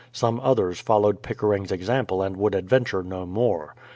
Some others followed Pickering's example and would adventure no more.